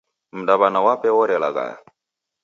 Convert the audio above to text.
Mdaw'ana wape orelaghaya.